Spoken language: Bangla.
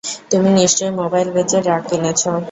তুমি নিশ্চই মোবাইল বেঁচে ড্রাগ কিনেছ।